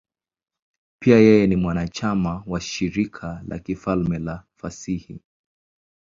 Pia yeye ni mwanachama wa Shirika la Kifalme la Fasihi.